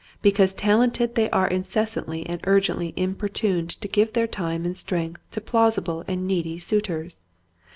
Because talented they are incessantly and urgently importuned to give their time and strength to plausible and needy suitors.